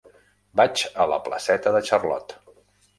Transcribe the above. Vaig a la placeta de Charlot.